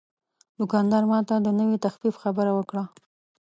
دوکاندار ماته د نوې تخفیف خبره وکړه.